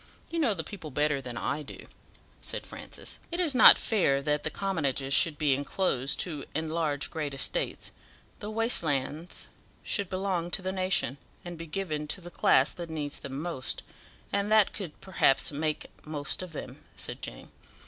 You know the people better than I do," said Francis. "It is not fair that the commonages should be enclosed to enlarge great estates; the waste lands should belong to the nation, and be given to the class that needs them most, and that could, perhaps, make most of them," said Jane.